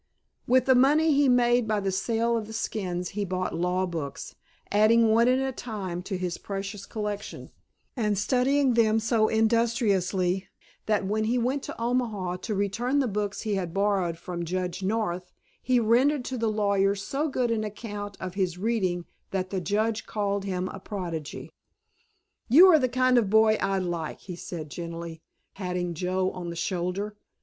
With the money he made by the sale of the skins he bought law books, adding one at a time to his precious collection, and studying them so industriously that when he went to Omaha to return the books he had borrowed from Judge North he rendered to the lawyer so good an account of his reading that the Judge called him a prodigy. "You are the kind of a boy I like," he said genially, patting Joe on the shoulder.